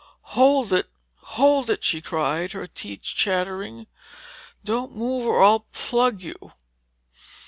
"Hold it! hold it!" she cried, her teeth chattering. "Don't move or I'll plug you!"